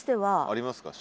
ありますか？